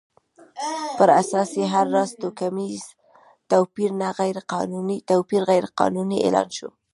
پر اساس یې هر راز توکمیز توپیر غیر قانوني اعلان شو.